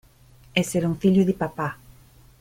Essere un figlio di papà.